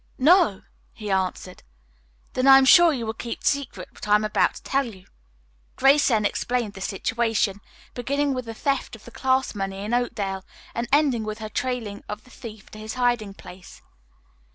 "No!" he answered. "Then I am sure you will keep secret what I am about to tell you." Grace then explained the situation, beginning with the theft of the class money in Oakdale and ending with her trailing of the thief to his hiding place.